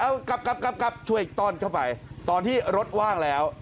เอากลับกลับช่วยอีกต้อนเข้าไปตอนที่รถว่างแล้ว